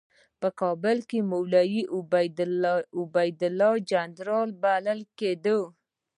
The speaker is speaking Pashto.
په کابل کې مولوي عبیدالله جنرال بلل کېده.